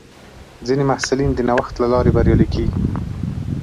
ځینې محصلین د نوښت له لارې بریالي کېږي.